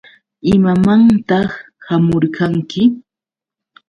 ¿Imamantaq hamurqanki?